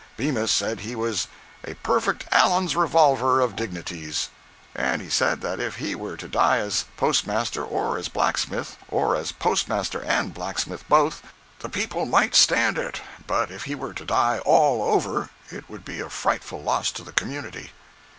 Bemis said he was "a perfect Allen's revolver of dignities." And he said that if he were to die as postmaster, or as blacksmith, or as postmaster and blacksmith both, the people might stand it; but if he were to die all over, it would be a frightful loss to the community.